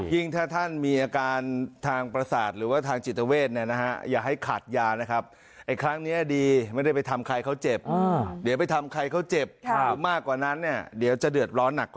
ยิ่งถ้าท่านมีอาการทางประสาทหรือว่าทางจิตเวศ